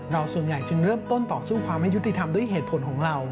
ส่วนใหญ่จึงเริ่มต้นต่อสู้ความไม่ยุติธรรมด้วยเหตุผลของเรา